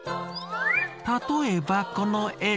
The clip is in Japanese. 例えばこの絵。